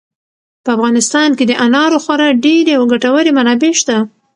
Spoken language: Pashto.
په افغانستان کې د انارو خورا ډېرې او ګټورې منابع شته.